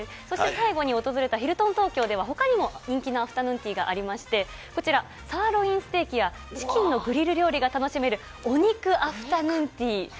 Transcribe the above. そして最後に訪れたヒルトン東京では、ほかにも人気のアフタヌーンティーがありまして、こちら、サーロインステーキやチキンのグリル料理が楽しめるお肉アフタヌーンティー。